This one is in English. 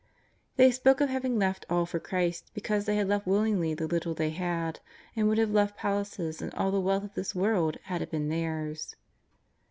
They spoke of having left all for Christ because they had left willingly the little they had, and would have left palaces and all the wealth of this world had it been theirs.